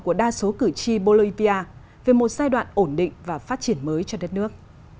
của đa số cử tri bolipia về một giai đoạn ổn định và phát triển mới cho đất nước